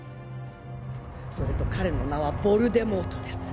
それと彼の名はヴォルデモートです